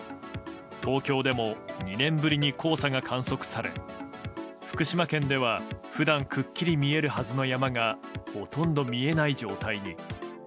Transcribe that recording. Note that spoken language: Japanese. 東京でも２年ぶりに黄砂が観測され福島県では普段くっきり見えるはずの山がほとんど見えない状態に。